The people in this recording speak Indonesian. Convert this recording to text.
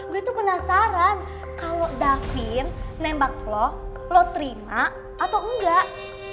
gue tuh penasaran kalau daven nembak lo lo terima atau enggak